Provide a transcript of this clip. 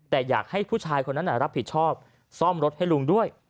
แต่อยากให้ผู้ชายคนนั้นรับผิดชอบซ่อมรถให้ลุงด้วย